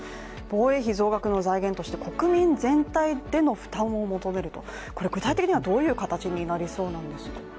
防衛費増額の財源として国民全体での負担を求めると、これ、具体的にはどういう形になりそうなんでしょうか。